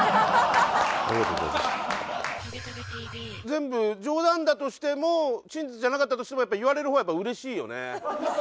全部冗談だとしても真実じゃなかったとしても言われる方はやっぱうれしいよね。